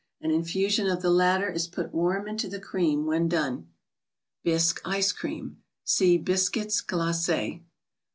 An infusion of the latter is put warm into the cream when done. Btssque 3!ce*Crcam. (See Biscuits Glace's.)